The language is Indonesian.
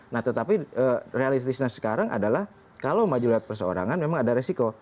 nah tetapi realistisnya sekarang adalah kalau maju lewat perseorangan memang ada resiko